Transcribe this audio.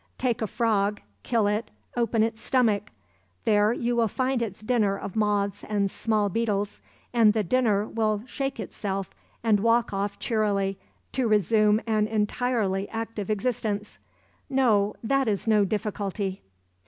Take a frog, kill it, open its stomach. There you will find its dinner of moths and small beetles, and the 'dinner' will shake itself and walk off cheerily, to resume an entirely active existence. No; that is no difficulty.